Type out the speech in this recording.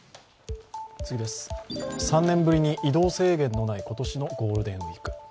３年ぶりに移動制限のない今年のゴールデンウイーク。